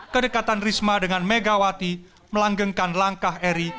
kedekatan risma dengan megawati melanggengkan langkah eri